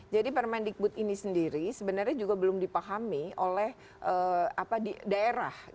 jadi permendikbud ini sendiri sebenarnya juga belum dipahami oleh daerah